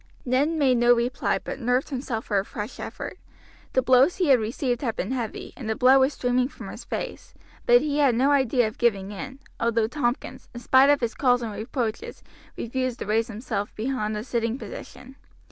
Ned made no reply, but nerved himself for a fresh effort. The blows he had received had been heavy, and the blood was streaming from his face; but he had no idea of giving in, although Tompkins, in spite of his calls and reproaches, refused to raise himself beyond a sitting position.